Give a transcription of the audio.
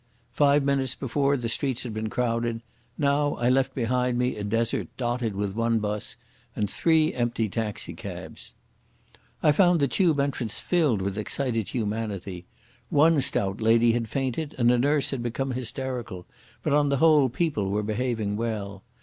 Five minutes before the street had been crowded; now I left behind me a desert dotted with one bus and three empty taxicabs. I found the Tube entrance filled with excited humanity. One stout lady had fainted, and a nurse had become hysterical, but on the whole people were behaving well.